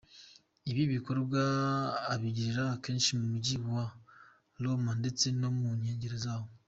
Ibi bikorwa abigirira akenshi mu mujyi wa Roma ndetse no mu nkengero zawo.